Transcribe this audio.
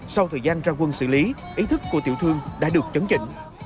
sau thời gian ra quân xử lý ý thức của tiểu thương đã được chấn chỉnh